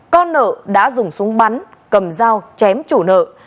con nợ đã dùng súng bắn cầm dao chém chủ nợ